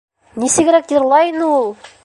Нисегерәк йырлай ине ул!